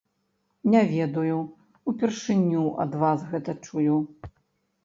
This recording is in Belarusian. Не ведаю, упершыню ад вас гэта чую.